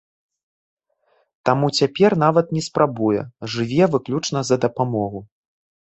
Таму цяпер нават не спрабуе, жыве выключна за дапамогу.